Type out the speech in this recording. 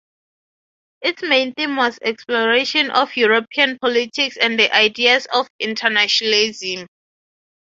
Its main theme was exploration of European politics and the ideas of internationalism.